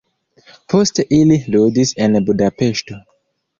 Poste ili ludis en Budapeŝto.